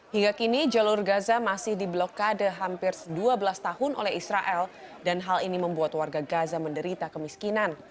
hingga kini jalur gaza masih di blokade hampir dua belas tahun oleh israel dan hal ini membuat warga gaza menderita kemiskinan